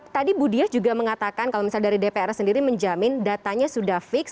tadi bu diah juga mengatakan kalau misalnya dari dpr sendiri menjamin datanya sudah fix